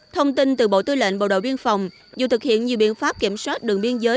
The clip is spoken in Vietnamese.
thông tin từ bộ tư lệnh bộ đội biên phòng dù thực hiện nhiều biện pháp kiểm soát đường biên giới